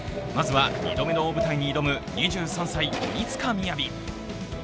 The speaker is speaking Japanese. まずは２度目の大舞台に挑む２３歳、鬼塚雅。